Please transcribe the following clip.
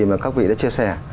mà các vị đã chia sẻ